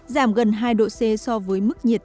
giảm gần hai độ c so với mức nhiệt